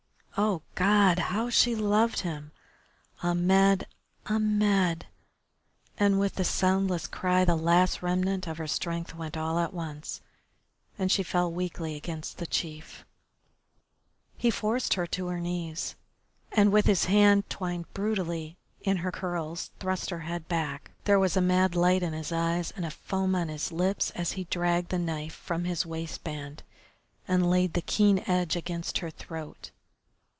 Oh, God! How she loved him! Ahmed! Ahmed! And with the soundless cry the last remnant of her strength went all at once, and she fell weakly against the chief. He forced her to her knees, and, with his hand twined brutally in her curls, thrust her head back. There was a mad light in his eyes and a foam on his lips as he dragged the knife from his waistbelt and laid the keen edge against her throat.